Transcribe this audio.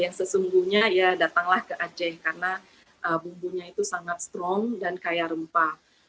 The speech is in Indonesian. yang sesungguhnya ya datanglah ke aceh karena bumbunya itu sangat strong dan kaya rempah